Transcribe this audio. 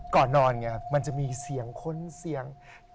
ก่อนนอนไงครับมันจะมีเสียงค้นเสียง